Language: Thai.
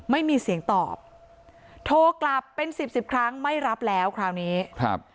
ไม่มีเสียงตอบโทรกลับเป็นสิบสิบครั้งไม่รับแล้วคราวนี้ครับ